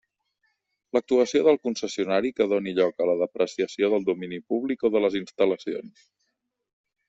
L'actuació del concessionari que doni lloc a la depreciació del domini públic o de les instal·lacions.